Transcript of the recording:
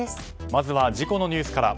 まずは事故のニュースから。